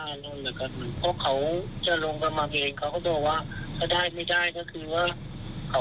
พวกเขาจะลงไปม่ำเองเขาก็บอกว่าถ้าได้ไม่ได้ก็คือว่าเขา